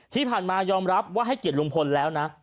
ที่ผ่านมายอมรับว่าให้เกียรติลุงพลแล้วนะ